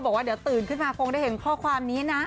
บอกว่าเดี๋ยวตื่นขึ้นมาคงได้เห็นข้อความนี้นะ